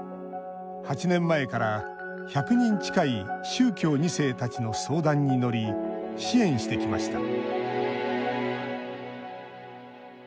８年前から１００人近い宗教２世たちの相談に乗り支援してきました